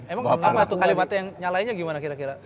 emang apa tuh kalimatnya yang nyalainnya gimana kira kira